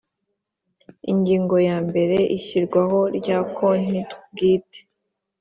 Ingingo ya mbere Ishyirwaho rya konti bwite